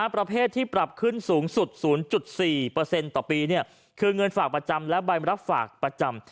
ประเภทที่ปรับขึ้นสูงสุด๐๔ต่อปีคือเงินฝากประจำและใบรับฝากประจำ